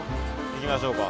行きましょうか。